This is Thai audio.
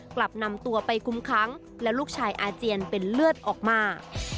กลับนำตัวไปคุมค้างและลูกชายอาเจียนเป็นเลือดออกมา